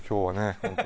本当に。